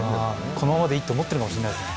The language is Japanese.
このままでいいって思ってるかもしれないですね。